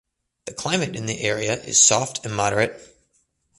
The climate in the area is soft and moderate.